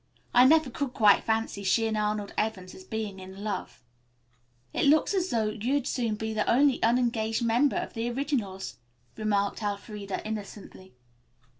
I never could quite fancy she and Arnold Evans as being in love." "It looks as though you'd soon be the only unengaged member of the Originals," remarked Elfreda innocently.